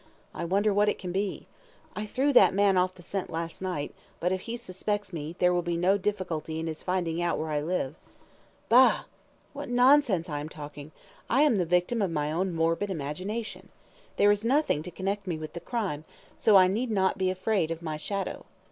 "I wonder what it can be? I threw that man off the scent last night, but if he suspects me, there will be no difficulty in his finding out where I live. Bah! What nonsense I am talking. I am the victim of my own morbid imagination. There is nothing to connect me with the crime, so I need not be afraid of my shadow.